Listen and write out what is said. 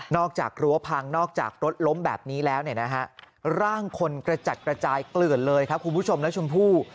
กรั้วพังนอกจากรถล้มแบบนี้แล้วร่างคนกระจัดกระจายเกลื่อนเลยครับคุณผู้ชมและชมพู่